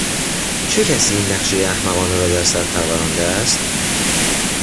چه کسی این نقشهی احمقانه را در سر پرورانده است؟